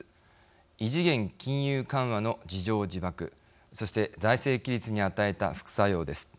異次元金融緩和の自縄自縛そして、財政規律に与えた副作用です。